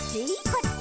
「こっち」